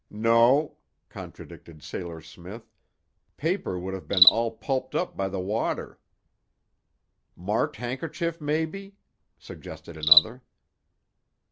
"No," contradicted Sailor Smith; "paper would have been all pulped up by the water." "Marked handkerchief, maybe," suggested another.